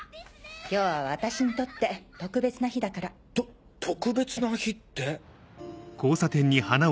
今日は私にとって特別な日だから。と特別な日って？